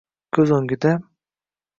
Ko'z o'ngida